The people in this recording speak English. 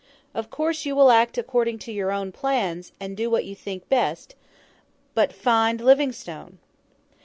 Of course you will act according to your own plans, and do what you think best BUT FIND LIVINGSTONE!"